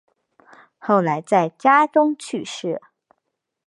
后来在家中去世。